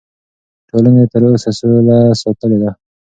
ټولنې تر اوسه سوله ساتلې ده.